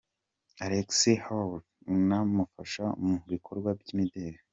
Alex Heard unamufasha mu bikorwa by’imideli.